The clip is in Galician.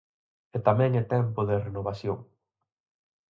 E tamén é tempo de renovación.